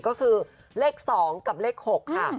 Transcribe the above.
ก็คือเลข๒กับเลข๖ค่ะ